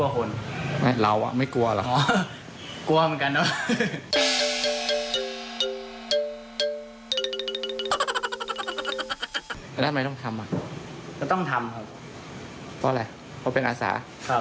เพราะอะไรเพราะเป็นอาสา